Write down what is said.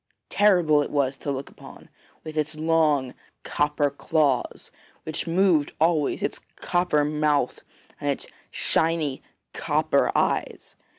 Terrible it was to look upon, with its long copper claws which moved always, its copper mouth and its shiny copper eyes.